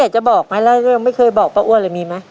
จะบอกไหมเรื่องไม่เคยบอกป้าอ้วนเลยมีไหม